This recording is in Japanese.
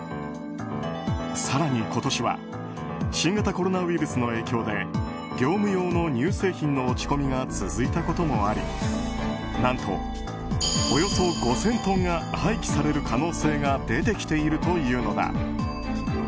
更に今年は新型コロナウイルスの影響で業務用の乳製品の落ち込みが続いたこともあり何とおよそ５０００トンが廃棄される可能性が出てきているというのだ。